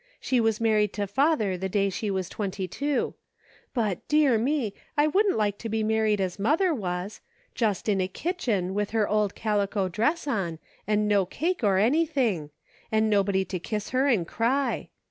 She was married to father the day she was twenty two. But, dear me ! I wouldn't like to be married as mother was ! Just in a kitchen, and with her old calico dress on, and no cake, nor anything ; and nobody to kiss her and cry.